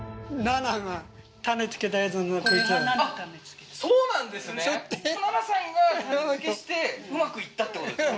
南奈さんが種付けしてうまくいったってことですか？